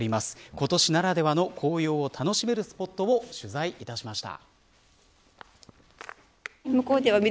今年ならではの紅葉を楽しめるスポット取材いたしました。